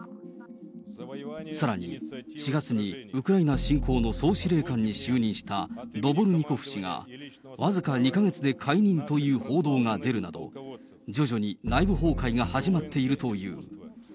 さらに、４月にウクライナ侵攻の総司令官に就任したドボルニコフ氏が僅か２か月で解任という報道が出るなど、徐々に内部崩壊が始まっているという。